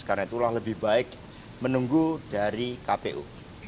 karena itulah lebih baik menunggu dari kpu